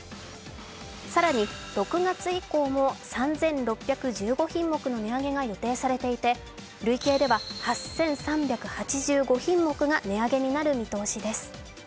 更に６月以降も３６１５品目の値上げが予定されていて、累計では８３８５品目が値上げになる見通しです。